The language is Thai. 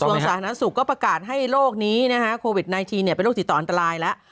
ส่วนสาธารณสุขก็ประกาศให้โรคนี้นะฮะโควิด๑๙เป็นโรคติดต่ออันตรายแล้ว